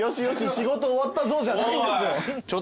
仕事終わったぞじゃないんですよ。